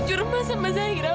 jujur ma sama zaira